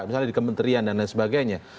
misalnya di kementerian dan lain sebagainya